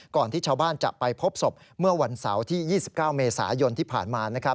ที่ชาวบ้านจะไปพบศพเมื่อวันเสาร์ที่๒๙เมษายนที่ผ่านมา